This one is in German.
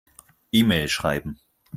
E-Mail schreiben.